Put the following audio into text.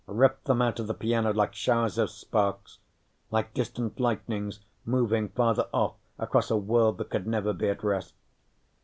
Rip them out of the piano like showers of sparks, like distant lightnings moving farther off across a world that could never be at rest.